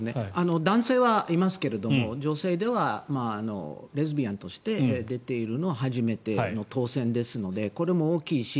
男性はいますが女性ではレズビアンとして出ているのは初めての当選ですのでこれも大きいし